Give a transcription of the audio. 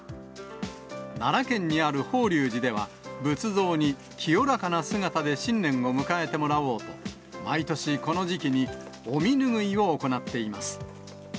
奈良県にある法隆寺では、仏像に清らかな姿で新年を迎えてもらおうと、毎年この時期にお身ぬぐいを行っています。